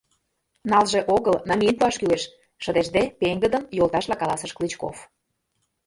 — «Налже» огыл, намиен пуаш кӱлеш, — шыдештде пеҥгыдын, йолташла каласыш Клычков.